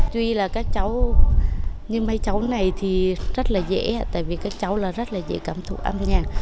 tuy là các cháu nhưng mấy cháu này thì rất là dễ tại vì các cháu là rất là dễ cảm thụ âm nhạc